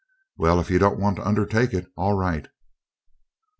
"Well, if you don't want to undertake it, all right."